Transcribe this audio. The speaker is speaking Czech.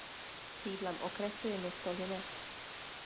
Sídlem okresu je město Linec.